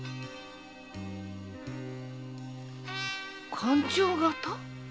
勘定方？